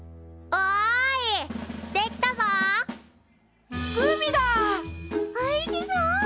おいしそう！